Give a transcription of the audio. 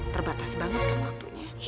terbatas banget kan waktunya